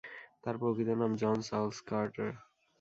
তার প্রকৃত নাম জন চার্লস কার্টার।